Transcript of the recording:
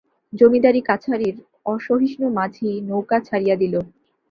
জমিদারি কাছারির অসহিষ্ণু মাঝি নৌকা ছাড়িয়া দিল।